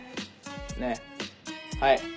ねっはい。